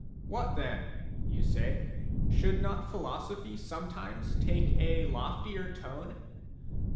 What then ?" you say ;" should not philosophy sometimes take a loftier tone